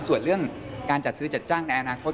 ส่วนเรื่องการจัดซื้อจัดจ้างในอนาคต